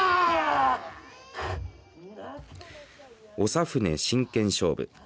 長船真剣勝負。